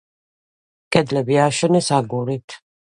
კედლები ააშენეს აგურით.